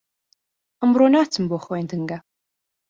ئەمڕۆ ناچم بۆ خوێندنگە.